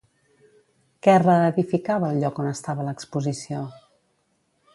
Què reedificava el lloc on estava l'exposició?